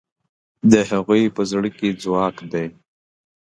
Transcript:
د هغوی په زړه کې ځواک دی.